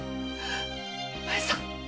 お前さん！